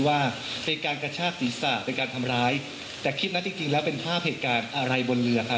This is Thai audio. ว่าเป็นการกระชากศีรษะเป็นการทำร้ายแต่คลิปนั้นจริงจริงแล้วเป็นภาพเหตุการณ์อะไรบนเรือครับ